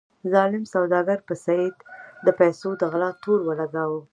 ظالم سوداګر په سید د پیسو د غلا تور ولګاوه.